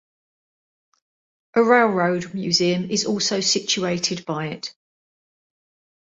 A railroad museum is also situated by it.